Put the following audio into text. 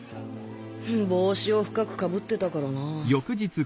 帽子を深く被ってたからなぁ。